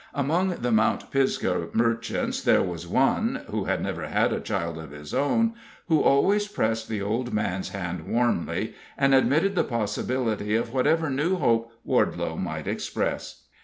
Among the Mount Pisgah merchants there was one who had never had a child of his own who always pressed the old man's hand warmly, and admitted the possibility of whatever new hope Wardelow might express.